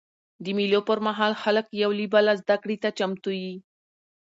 د مېلو پر مهال خلک یو له بله زدهکړې ته چمتو يي.